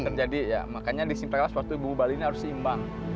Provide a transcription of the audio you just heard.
terjadi ya makanya di singapura suatu bumbu bali ini harus seimbang